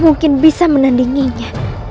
mungkin bisa menandinginya